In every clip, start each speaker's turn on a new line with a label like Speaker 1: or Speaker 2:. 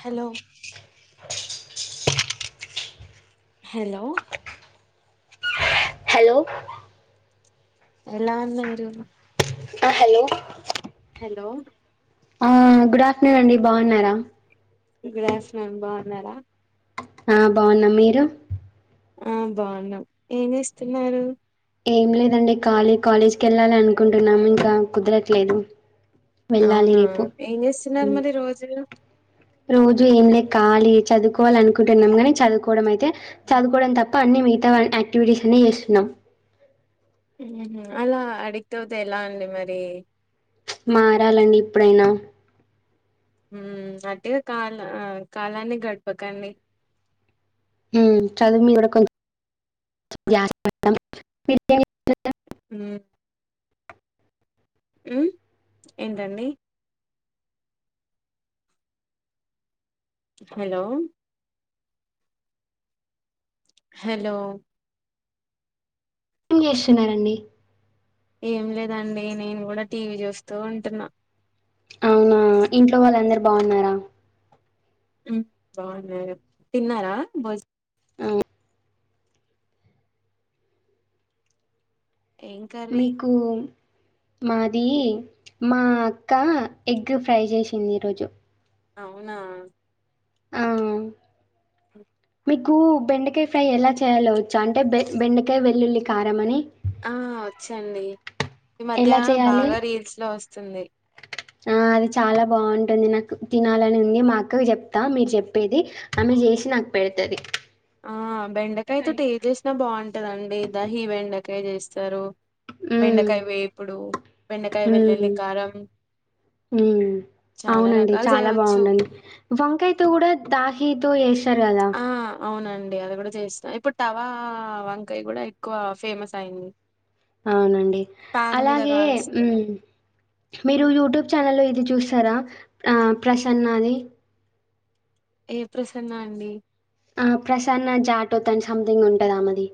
Speaker 1: Hello hello
Speaker 2: hello
Speaker 1: ఎలా ఉన్నారు
Speaker 2: ఆ హలో
Speaker 1: హలో
Speaker 2: ఆ గుడ్ ఆఫ్టర్నూన్ అండి బాగున్నారా
Speaker 1: గుడ్ ఆఫ్టర్నూన్ బాగున్నారా
Speaker 2: ఆ బాగున్న మీరు
Speaker 1: ఆ బాగున్నాం ఏం చేస్తున్నారు
Speaker 2: ఏం లేదండి కాలి కాలేజ్కి ఎళ్ళాలి అనుకుంటున్నాం ఇంకా కుదరట్లేదు వెళ్ళాలి
Speaker 1: అవునా
Speaker 2: రేపు
Speaker 1: ఏం చేస్తున్నారు మరి రోజు
Speaker 2: రోజు ఏం లే ఖాళీ చదువుకోవాలి అనుకుంటున్నాం కానీ, చదువుకోవడం అయితే చదువుకోవడం తప్ప, అన్ని మిగతా వా యాక్టివిటీస్ అనే చేస్తున్నాం
Speaker 1: అలా అడిగతవద ఎలా అండి మరి
Speaker 2: మారాలండి ఇప్పుడైనా
Speaker 1: అట్ కాల ఆ కాలాన్ని గడపకండి
Speaker 2: చదువు మీ ఇ కొ
Speaker 1: అ ఏంటండి హలో హలో
Speaker 2: ఏం చేస్తున్నారండి
Speaker 1: ఏం లేదండి నేను కూడా టీవీ చూస్తూ ఉంటున్నా
Speaker 2: ఆ ఇంట్లో వాళ్ళ అందరు బాగున్నారా
Speaker 1: బాగున్నా తిన్నారా బజ
Speaker 2: ఆ,
Speaker 1: ఏం కర్రీ
Speaker 2: మీకు మాది మా అక్క ఎగ్ ఫ్రై చేసింది ఈరోజు
Speaker 1: అవునా
Speaker 2: ఆ మీకు బెండకాయ ఫ్రై ఎలా చేయలోవచ్చు అంటే బె బెండకాయ వెల్లుల్లి కారంమ అని
Speaker 1: ఆ వచ్చండి ఈ మధ్య
Speaker 2: ఎలా చేయాలి
Speaker 1: బాగా రీల్స్ లో వస్తుంది
Speaker 2: ఆ అది చాలా బాగుంటుంది నాకు తినాలని ఉంది మా అక్కవి చెప్తా మీరు చెప్పేది ఆమె చేసి నాకు పెడతుంది
Speaker 1: ఆ బెండకాయతో టేస్ చేసినా బాగుంటదండి దహీ బెండకాయ ఇకాే చేస్తారు బెండకాయ వేపుడు బెండకాయ వెల్లుల్లి కారం చాలా
Speaker 2: అవునండి
Speaker 1: రకాలు
Speaker 2: చాలా
Speaker 1: చేయవచ్చు
Speaker 2: బాగుండండి వంకాయతో కూడా దాహీ సో ఎస్
Speaker 1: ఆ అవునండి అండి అది కూడా చేస్తు ఇప్పుడు తవా వంకాయ కూడా ఎక్కువ ఫేమస్ అయి్యంది
Speaker 2: అవునండి అలాగే
Speaker 1: కాల్స్తారు
Speaker 2: మీరు యూట్యూబ్ ఛానల్ల్లో ఇది చూస్తారా ప్రసన్నది
Speaker 1: ఏ ప్రసన్న అండి
Speaker 2: ఆ ప్రసన్న జాటుో తం సంథింగ్ ఉంటదా మది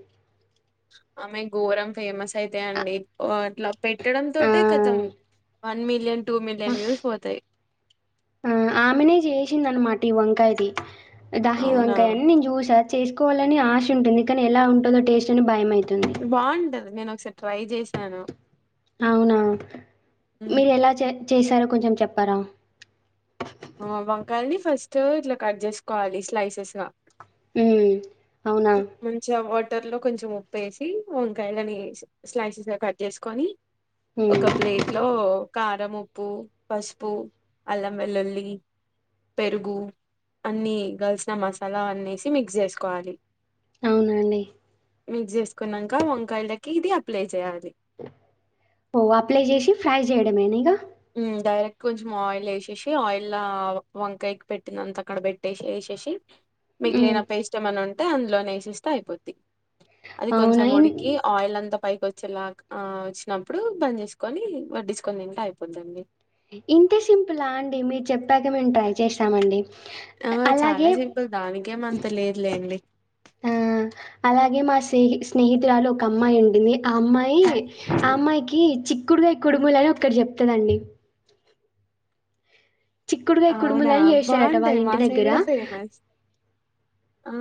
Speaker 1: ఆమె ఘోరం ఫేమస్ అయితే
Speaker 2: అ
Speaker 1: అండి అట్లా పెట్టడం
Speaker 2: ఆ!
Speaker 1: తోటే కతం one million two million views పోతాయి
Speaker 2: ఆ ఆమెనే చేసింది అనమాట ఈ వంకాయది దహి
Speaker 1: అవునా
Speaker 2: వంకాయ అని నేను చూసా చేసుకోవాలని ఆశ ఉంటుంది కానీ ఎలా ఉంటుదో టేస్ట్ అని భయంమవ
Speaker 1: బాగుంటది నేను ఒకసారి ట్రై చేశాను
Speaker 2: అవునా
Speaker 1: ఉమ్.
Speaker 2: మీరు ఎలా చే చూశార కొంచెం చెప్తారా
Speaker 1: ఆ వంకాయల్ని ఫస్ట్ ఇట్లా కట్ చేసుకోవాలి స్లైసెస్ గా
Speaker 2: మ్
Speaker 1: మంచి వ కుక్కర్లో కొంచెం ఉప్పు వేసి వంకాయలని స్లైసెస్ కట్ చేసుకొని
Speaker 2: హ్మ్.
Speaker 1: ఒక ప్లేట్ లో కా కరముప్పు పసుపు అల్లం వెల్లుల్లి పెరుగు అన్ని కలిసిన మసాలా అన్నసి మిక్స్ చేసుకోవాలి
Speaker 2: అవునా అండి
Speaker 1: మిక్స్ చేసుకున్నాక వంకాయలకి ఇది అప్లై చేయాలి
Speaker 2: ఓ అప్లై చేసి ఫ్రై చేయడమేనా ఇగ
Speaker 1: హ్మ్ డైరెక్ట్ కొంచెం ఆయిల్ ఏసేసి ఆయిల్ లా వంకాయకి పెట్టినంత అక్కడ పెట్టేసి ఏసేసి
Speaker 2: హ్మ్.
Speaker 1: మిగిలిన పేస్ట్ ఏమైనా ఉంటే అందులోనే వేసేస్తే అయిపోద్ది. అది
Speaker 2: అవునా!
Speaker 1: కొంచం ఉడికి
Speaker 2: ఇన్
Speaker 1: ఆయిల్ అంత పైకి వచ్చేలాగ ఆ వచ్చినప్పుడు బంద్ చేసుకొని వడ్డించుకొని తింత్ అయి పోదండి
Speaker 2: ఇంతే సింపులా అండి మీరు చెప్పాక మేము ట్రై చేస్తామండి
Speaker 1: ఆ చాలా సింపుల్ దానికేమ అంత లేదులేండి
Speaker 2: ఆ అలాగే మా స్నేహి స్నేహితురాలు ఒక అమ్మాయి ఉండింది ఆ అమ్మాయి ఆ అమ్మాయికి చి డుగాయ కుడుములని ఒక్కడి చెప్తాండి చిక్కుడుగాయ
Speaker 1: అవునా
Speaker 2: కుడుములని చేశారట వాళ్ళ
Speaker 1: బాగుంటాయి మా
Speaker 2: ఇంటి
Speaker 1: సైడ్
Speaker 2: దగ్గర
Speaker 1: కూడా ఫేమస్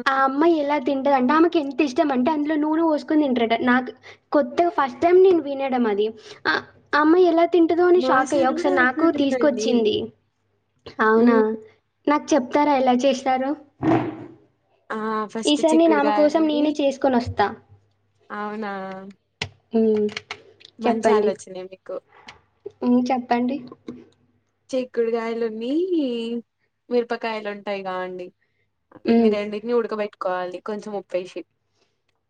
Speaker 2: ఆ అమ్మాయి ఎలా తింటదంటే ఆమెకు ఎంత ఇష్టం అంటే అందులో నూనె పోసుకొని తింటరట నాకు కొత్తగా ఫస్ట్ టైం నేను వినడం అది ఆ అమ్మాయి ఎలా తింటదో అని
Speaker 1: మా
Speaker 2: షాక్ అయ్యా
Speaker 1: సైడ్ కూడా
Speaker 2: ఒకసారి నాకు
Speaker 1: అట్లానేనండి
Speaker 2: తీసుకొచ్చింది అవునా
Speaker 1: ఉమ్,
Speaker 2: నాకు చెప్తారా ఎలా చేసారో
Speaker 1: ఆ ఫస్ట్ చిక్కుడు కాయలుని
Speaker 2: చేసుకొని వస్తా
Speaker 1: అవునా
Speaker 2: హ్మ్
Speaker 1: మంచి ఆలోచనే మీకు
Speaker 2: హ్మ్ చెప్పండి
Speaker 1: చిక్కుడుకాయలున్ని మిరపకాయలు ఉంటాయి గా అండి ఇట్ని
Speaker 2: మ్మ్,
Speaker 1: రెండిటిని ఉడుకబెట్ కోవాలి కొంచెం ఉప్పేసి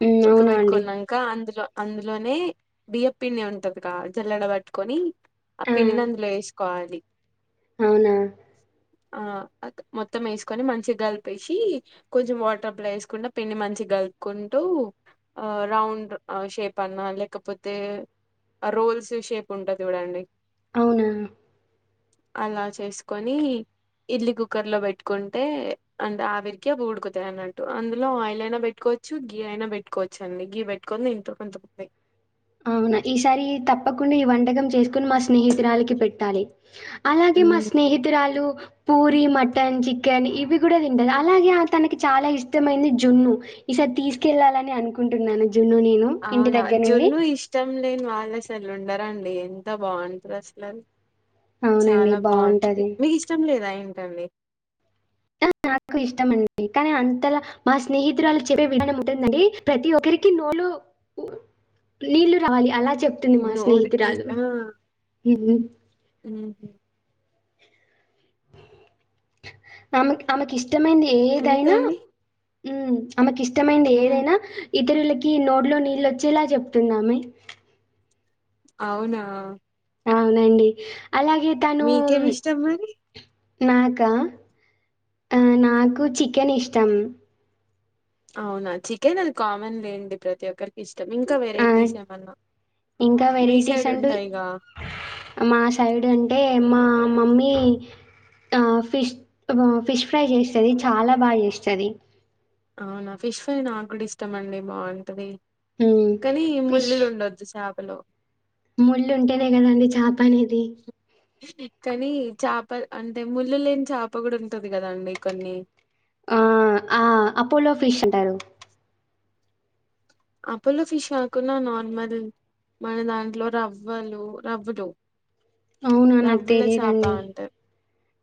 Speaker 2: మ్మ్, అవునా అండి
Speaker 1: ఉడకబెట్టుకున్నంక అందులో అందులోనే బియ్యప్పిండి ఉంటదిగా జల్లెడ పట్టుకొని ఆ పిండిని అందులో వేసుకోవాలి
Speaker 2: అవునా
Speaker 1: ఆ మొత్తం వేసుకొని మంచిగా కలిపేసి కొంచెం వాటర్ అప్లా వేసుకుంటా పిండి మంచి కలుపుకుంటూ ఆ రౌండ్ షేప్ అన్నా లేకపోతే రోల్స్ షేప్ ఉంటా చూడండి
Speaker 2: అవునా
Speaker 1: అలా చేసుకొని ఇడ్లీ కుక్కర్ లో పెట్టుకుంటే అంటే ఆవిరికి అ ఉడుకుతాయి అన్నట్టు అందులో ఆయిల్ అయినా పెట్టుకోవచ్చు గి అయినా పెట్టుకోవచ్చు అండి గీ పెట్టుకొని ఇంత కొంతయి
Speaker 2: అవునా ఈసారి తప్పకుండా ఈ వంటకం చేసుకుని మా స్నేహితురాలకి పెట్టాలి అలాగే మా స్నేహితురాలు పూరి మటన్ చికెన్ ఇవి కూడా తింటది అలాగే తనకి చాలా ఇష్టమైంది జున్ను ఈసారి తీసుకెళ్ళాలని అనుకుంటున్నాను జున్న నేను ఇంటి
Speaker 1: అవునా
Speaker 2: దగ్గర నుండి
Speaker 1: జున్ను ఇష్టం లేని వాళ్ళు అసలు ఉండరండి ఎంత బాగుంటారు అసలు
Speaker 2: అవునండి
Speaker 1: చాలా బాగుంటంది
Speaker 2: బాగుంటుంది
Speaker 1: మీకు ఇష్టం లేదా ఆయం డి
Speaker 2: నాకు ఇష్టమ అండి కానీ అంతలో మా స్నేహితురాళ్ళు చెప్పే విధానం ఉంటుందండి ప్రతి ఒక్కరికి నోలు నీళ్లు రావాలి అలా చెప్తుంది మా
Speaker 1: నోరు
Speaker 2: స్నేహితురాలు ఇ
Speaker 1: అ
Speaker 2: కి ఇష్ట ఇష్టమైంది
Speaker 1: ఇంకా
Speaker 2: ఏదైనా
Speaker 1: అండి
Speaker 2: [inaudible] మైంది
Speaker 1: ఉమ్
Speaker 2: ఏదైనా ఇది ఇద్దరులకి నోడ్లో నీళ్ళ వచ్చేలా చెప్తున్నామే
Speaker 1: అవునా
Speaker 2: అవునండి అలాగే తను
Speaker 1: మీకేమి ఇష్టం మరి
Speaker 2: నాకా నాకు చికెన్ ఇష్టం
Speaker 1: అవునా చికెన్ అది కామన్ లేండి ప్రతి ఒక్కరికి ఇష్టం ఇంకా వెరైటీస్ ఏమన్నా
Speaker 2: ఇంకా
Speaker 1: మీ
Speaker 2: వెరైటీస్
Speaker 1: సైడ్
Speaker 2: అంటూ
Speaker 1: ఉంటాయిగా
Speaker 2: మా సైడ్ అంటే మా మమ్మీ ఆ ఫిష్ ఫిష్ ఫ్రై చేస్తుది చాలా బాగా చేస్తుంది
Speaker 1: అవునా ఫిష్ ఫ్రై నాకు కూడా ఇష్టమ అండి బాగుంటది
Speaker 2: అ ఫిష్
Speaker 1: హలో [inaudible]
Speaker 2: ముళ్ళు ఉంటేనే కదండి చేప అనేది
Speaker 1: కానీ చేప అంటే ముళ్ళు లేని చేప కూడా ఉంటంది కదాండి కొన్ని
Speaker 2: ఆ ఆ అపోలో ఫిష్ ఉంటారు
Speaker 1: అప్పులో ఫిష్ కాకున్నా నార్మల్ మన దాంట్లో రవ్వలు రవ్వతో
Speaker 2: ఆ నాకు తెలీదండి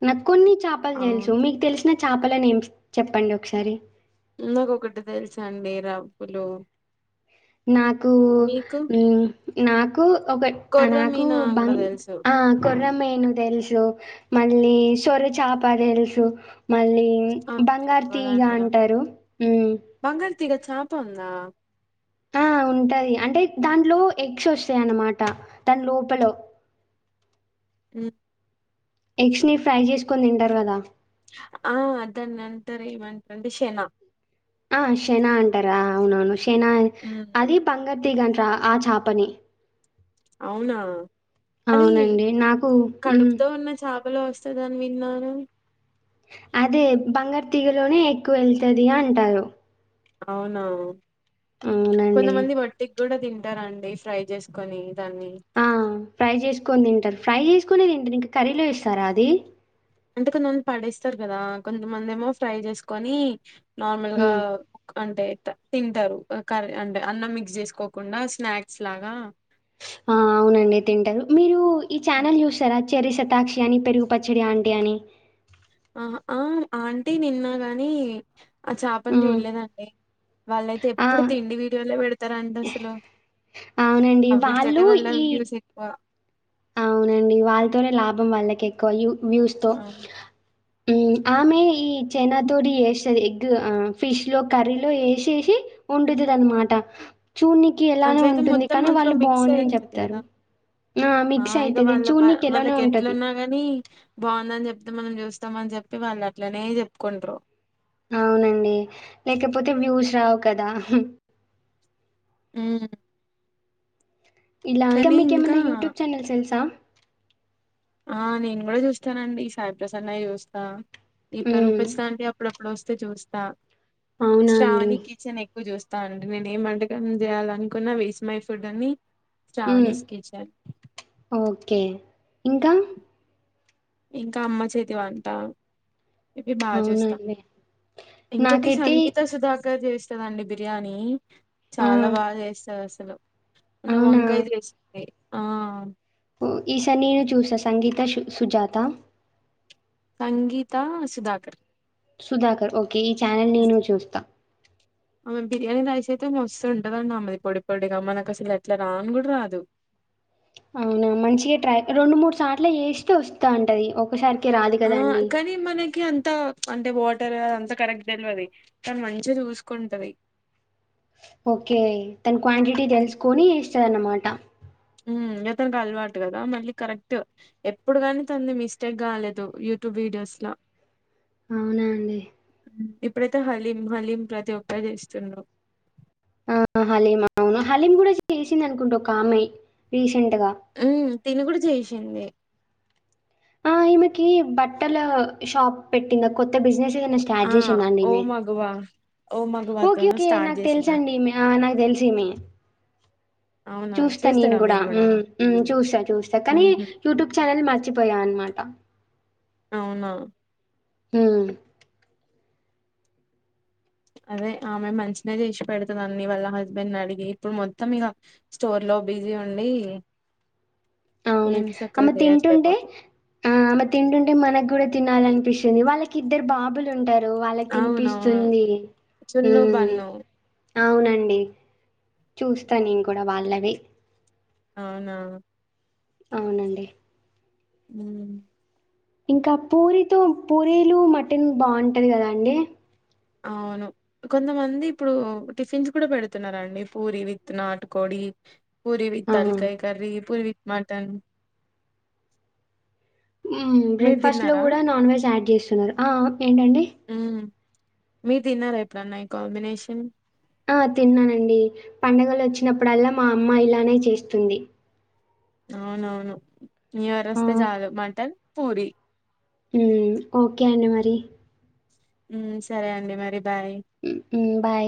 Speaker 2: నాకు కొన్ని చెప్పలు
Speaker 1: అవును
Speaker 2: తెలుసు మీకు తెలుస్ నాకు చేపల నేమ్స్ చెప్పండి ఒకసారి
Speaker 1: నాకొటి తెలుసు అండి రబులు
Speaker 2: నాకు నాకు ఒక
Speaker 1: కొర్ర
Speaker 2: నాకు
Speaker 1: మీనా కూడా
Speaker 2: బంగ్
Speaker 1: తెలుసు
Speaker 2: ఆ కుర్రమీను తెలుసు మ సొర చాప తెలుసు మళ్ళీ
Speaker 1: ఆ
Speaker 2: బంగారు తీగా
Speaker 1: తెల్వదండి
Speaker 2: అంటారు హ్మ్
Speaker 1: తిగా చాపందా
Speaker 2: ఆ ఉంటది అంటే దాంట్లో ఎగ్స్ వస్తాయ అన్నమాట దాని లోపల
Speaker 1: హ్మ్మ్
Speaker 2: ఎగ్స్ ని ఫ్రై చేసుకొని తింటారు కదా
Speaker 1: ఆ దాని ఏమంటారు అంటే శన
Speaker 2: ఆ శనా అంటారా అవునవును ఏనా
Speaker 1: ఉమ్,
Speaker 2: అదే బంగర్ తెగరంటారు ఆ చేపని
Speaker 1: అవునా అది
Speaker 2: అవునండి నాకు హ్మ్
Speaker 1: ఎలో వస్తందాని విన్నాను
Speaker 2: అదే బంగారు తి తీగలోనే ఎక్కువ ఎల్తది అంటారు
Speaker 1: అవునా
Speaker 2: అవునండి.
Speaker 1: కొంతమంది మటి కూడా తింటారండి ఫ్రై జేసుకొని
Speaker 2: ఆ ఫ్రై చేసుకోని తింటరు ఫ్రై జేసుకునేది ఏంటి ఇంక కర్రీలో ఇస్తారా అది
Speaker 1: అంటే కొంతమంది పడేస్తారు కదా కొంతమంది ఏమో ఫ్రై జేసుకొని నార్మల్ గా
Speaker 2: హ్మ్.
Speaker 1: అంటే తింటారు కర్రీ అంటే అన్నం మిక్స్ చేసుకోకుండా స్నాక్స్ లాగా
Speaker 2: ఆ అవునండి తింటారు మీరు ఈ ఛానల్ చూస్తారా చరిస్ తాక్షి అని పెరుగు పచ్చడి ఆంటీ అని
Speaker 1: ఆహ ఆ ఆంటీ నిన్న గాని ఆ చాప ని
Speaker 2: హ్మ్.
Speaker 1: చూడలేదండి వాళ్ళైతే ఎప్పుడు
Speaker 2: ఆ!
Speaker 1: తిండి వీడియోల్లో పెడతారా అంది అసలు
Speaker 2: అవునండి.
Speaker 1: అ
Speaker 2: వాళ్ళు
Speaker 1: విడిచట్టే వల్ల
Speaker 2: ఈ
Speaker 1: వ్యూస్ ఎక్కువ
Speaker 2: అవునండి వాళ్ళతోనే లాభం వాళ్ళకి ఎక్కువ యు వ్యూస్ తో
Speaker 1: అవును.
Speaker 2: ఉ ఆమె ఈ చైనా తోడి చేస్తది ఎగ్ ఆ ఫిష్ లో కర్రీలో ఎసేసి వండుతది అన్ మాట చూన్నీకి ఎలానో
Speaker 1: అట్లయితే
Speaker 2: ఉంటుంది
Speaker 1: మొత్తం
Speaker 2: కానీ
Speaker 1: అందులో
Speaker 2: వాళ్ళు
Speaker 1: మిక్స్
Speaker 2: బాందని
Speaker 1: అయితది
Speaker 2: చెప్తారు
Speaker 1: కదా
Speaker 2: ఆ మీ
Speaker 1: ఆ ఇగ వాళ్ళ ప వాళ్ళకి ఎట్లున్న గాని బాగుందని జెప్తే మనం చూస్తమని చెప్పి వాళ్ళు అట్లనే చెప్పుకుంట్రు
Speaker 2: అవునండి లేకపోతే వ్యూస్ రావు కదా
Speaker 1: ఉ
Speaker 2: ఇలా ఇంక మీకేమన్న
Speaker 1: ఇంకా
Speaker 2: యుట్యూబ్ ఛానల్స్ తెల్సా
Speaker 1: ఆ నేను గూడా చూస్తానండి సాయి ప్రసన్న వి జూస్తా ఈ పెరుగు
Speaker 2: హ్మ్.
Speaker 1: పచ్చడి ఆంటీ అప్పుడప్ ఇప్పుడు వొస్తే చూస్త
Speaker 2: అవునా అండి?
Speaker 1: శ్రావణి కిచెన్ ఎక్కువ జూస్ త్తా అండి నేను ఏం వంటకం చేయాలనుకున్న వీస్ మై ఫుడ్ అని
Speaker 2: ఉ
Speaker 1: శ్రావణీస్ కిచెన్
Speaker 2: ఓకే ఇంకా
Speaker 1: ఇంకా అమ్మ చేతి వంట ఇవి బాగా చూస్త
Speaker 2: అవునండి.
Speaker 1: ఇంకోటి
Speaker 2: నాకైతే
Speaker 1: సంగీత సుధా గా జేస్తదండి బిర్యానీ
Speaker 2: ఆ
Speaker 1: చాలా బాగా జేస్తది అసలు మొన్న
Speaker 2: అవునా
Speaker 1: వంకాయ జేసింది
Speaker 2: ఈ సారి నేను చూస్తా సంగీత షు సుజాత
Speaker 1: సంగీతా సుధాకర్
Speaker 2: షుధాకర్ ఓక్ ఈ ఛానల్ నేను చూస్త
Speaker 1: బిర్యానీ రైస్ అయితే మస్తుంటదండి, అమేది పొడి పొడిగా మనకు అసలు అట్ల రాను గుడ రాదు.
Speaker 2: అవున మంచిగ ట్రై రెండు మూడు సార్ల చేస్తే వస్తంటది ఒకసారి
Speaker 1: ఆ కని మనకి అంత అంటే వాటరు అది అంత కరెక్ట్ తెల్వది తను మంచిగా చూసుకుంటది
Speaker 2: ఓకే తను క్వాంటిటీ తెల్సుకొని చద అన్నమాట
Speaker 1: ఉ ఇగ తన అలవాటు కదా మళ్ళీ కరెక్ట్ ఎప్పుడు కాని తంది మిస్టేక్ కాలేదు యూట్యూబ్ వీడియోస్ ల
Speaker 2: అవున అండి
Speaker 1: ఇప్పుడైతే హలీం హలీం ప్రతి ఒక్కరు చేస్తుండ్రు
Speaker 2: ఆ హలీం అవును హలీం కూడా చేసింది అనుకుంట ఒకామె రి
Speaker 1: ఉ తిను కూడ చేసింది
Speaker 2: ఆ ఈమెకి బట్టల షాప్ పెట్టింద కొత్త బిజినెస్
Speaker 1: ఆ
Speaker 2: స్టార్ట్ చేసిందాండి
Speaker 1: ఓ
Speaker 2: ఈమె
Speaker 1: మగువా ఓ మగువాతో
Speaker 2: ఓకే ఓకే
Speaker 1: స్టార్ట్
Speaker 2: నాకు
Speaker 1: చేసిందా
Speaker 2: తెలుసండి ఈమె అ నాకు తెలుసు ఈమె
Speaker 1: అవునా
Speaker 2: చూస్తా నేను
Speaker 1: చూస్తారా
Speaker 2: కూడా
Speaker 1: మీరు
Speaker 2: చూస్తా మ్ మ్ చూస్తా కానీ
Speaker 1: ఉహు
Speaker 2: యూట్యూబ్ ఛానల్ మర్చిపో అనమాట
Speaker 1: అవునా
Speaker 2: మ్
Speaker 1: అదే ఆమె మంచినే చేసి పెడతాది అన్ని, వాళ్ళ హస్బెండ్ అడిగి ఇప్పుడు మొత్తం ఇక స్టోర్ లో బిజీ ఉండి
Speaker 2: అవునా
Speaker 1: ఏం సక్కగా
Speaker 2: అమ్మె
Speaker 1: చేయట్లే
Speaker 2: తింటుంటే
Speaker 1: పాపం
Speaker 2: ఆ అమె తింటుంటే మన కూడా తినాల అనిపిస్తుంది వాళ్ళకి ఇద్దరు బాబులు ఉంటారు [unintelligible] వాళ్ళకి
Speaker 1: అవునవును
Speaker 2: తినిపిస్తుంది
Speaker 1: చున్ను
Speaker 2: మ్
Speaker 1: బన్ను
Speaker 2: అవునండి చూస్తాను నేను కూడా వాళ్ళ అలవే
Speaker 1: అవునా
Speaker 2: అవునండి
Speaker 1: మ్
Speaker 2: ఇంకా పూరీతో పూరీలు మటన్ బాగుంటుంది కదా అండి
Speaker 1: అవును కొంతమంది ఇప్పుడు టిఫిన్స్ కూడా పెడుతున్నారండి పూరి విత్ నాటుకోడి పూరి విత్
Speaker 2: ఆ!
Speaker 1: తాలకాయి కర్రీ పూరి విత్ మటన్ మీరు
Speaker 2: బ్రేక్ఫాస్ట్ లో
Speaker 1: తిన్నారా
Speaker 2: కూడా నాన్ వెజ్ యాడ్ చేస్త ఆ ఏంటండి
Speaker 1: మ్ మీరు తిన్నార ఎప్పుడైనా ఈ కాంబినేషన్
Speaker 2: ఆ తిన్నానండి పండగలు వచ్చినప్పుడల్లా మా అమ్మ ఇలానే చేస్తుంది
Speaker 1: అవునువును న్యూ ఇయర్
Speaker 2: ఆ!
Speaker 1: వేస్తే చాలు మటన్ పూరి
Speaker 2: హ్మ్ ఓకే అండి మరి
Speaker 1: హ్మ్ సరే అండి మరి బాయ్
Speaker 2: హ్మ్ బై